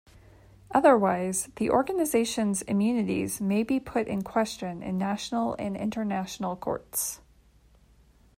Otherwise, the organizations' immunities may be put in question in national and international courts.